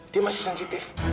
dia masih sensitif